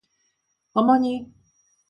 어머니!